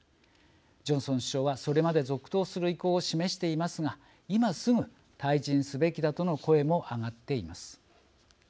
ジョンソン首相はそれまで続投する意向を示していますが今すぐ退陣すべきだとの声も上がっています。